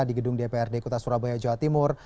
di gedung dprd kota surabaya jawa timur